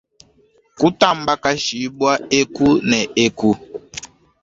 Kutambakashibua eku ne eku.